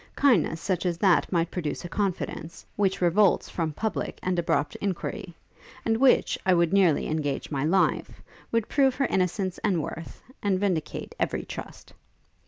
Kindness such as that might produce a confidence, which revolts from public and abrupt enquiry; and which, I would nearly engage my life, would prove her innocence and worth, and vindicate every trust.'